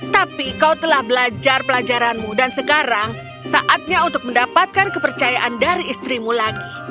tapi kau telah belajar pelajaranmu dan sekarang saatnya untuk mendapatkan kepercayaan dari istrimu lagi